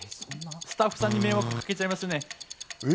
スタッフさんに迷惑かけちゃいますんで。